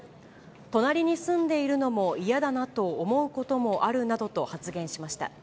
隣に住んでいるのも嫌だなと思うこともあるなどと発言しました。